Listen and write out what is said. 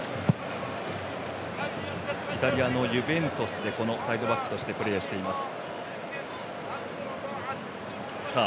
イタリアのユベントスでサイドバックとしてプレーしています。